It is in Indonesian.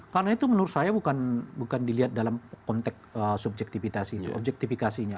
karena itu menurut saya bukan dilihat dalam konteks subjektifitasinya